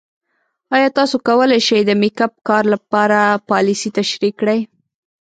ایا تاسو کولی شئ د میک اپ کار لپاره پالیسۍ تشریح کړئ؟